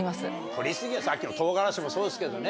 取り過ぎはさっきの唐辛子もそうですけどね。